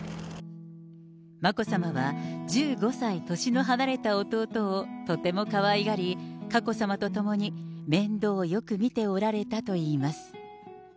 眞子さまは１５歳年の離れた弟をとてもかわいがり、佳子さまと共に面倒をよく見ておられたといいます。